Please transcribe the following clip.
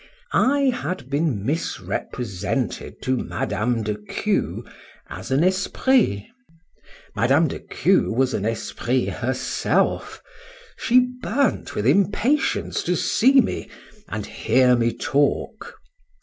I had been misrepresented to Madame de Q— as an esprit.—Madame de Q— was an esprit herself: she burnt with impatience to see me, and hear me talk.